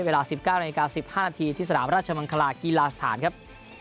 เวลา๑๙นาที๑๕นาทีที่สนามราชมังคลากีฬาสถานครับ